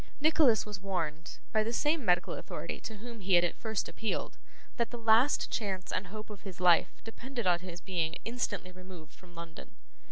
Nicholas was warned, by the same medical authority to whom he had at first appealed, that the last chance and hope of his life depended on his being instantly removed from London.